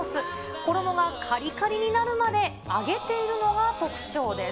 衣がかりかりになるまで揚げているのが特徴です。